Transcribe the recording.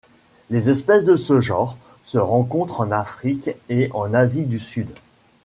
Les espèces de ce genre se rencontrent en Afrique et en Asie du Sud.